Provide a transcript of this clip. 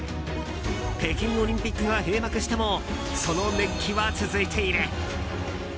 北京オリンピックが閉幕してもその熱気は続いている。